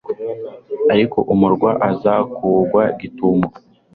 ariko umurwa aza kuwugwa gitumo